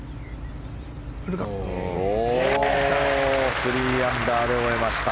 ３アンダーで終えました。